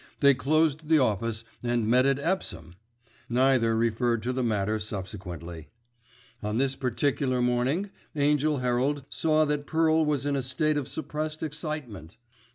They closed the office and met at Epsom! Neither referred to the matter subsequently. On this particular morning Angell Herald saw that Pearl was in a state of suppressed excitement.